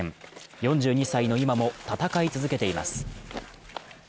４２歳の今も戦い続けています。